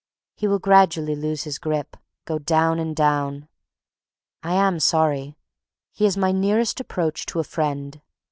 He will gradually lose his grip, go down and down. I am sorry. He is my nearest approach to a friend.